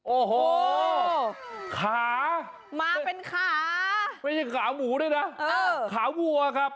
โอ้โหขามาเป็นขาไม่ใช่ขาหมูด้วยนะขาวัวครับ